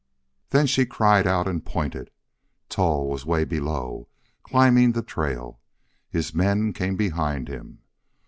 "Then she cried out and pointed. Tull was 'way below, climbing the trail. His men came behind him.